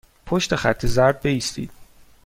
پشت خط زرد بایستید.